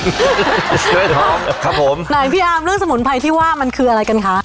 ไม่ท้องครับผมหน่อยพี่อามเรื่องสมุนไพรที่ว่ามันคืออะไรกันคะ